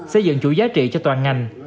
xây dựng chủ giá trị cho toàn ngành